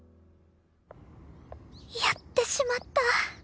やってしまった